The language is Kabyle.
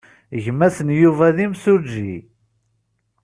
Gma-s n Yuba d imsujji.